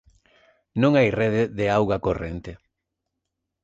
Non hai rede de auga corrente.